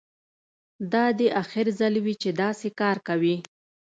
دا دې اخر ځل وي چې داسې کار کوې